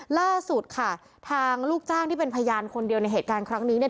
ล่าสุดค่ะทางลูกจ้างที่เป็นพยานคนเดียวในเหตุการณ์ครั้งนี้เนี่ย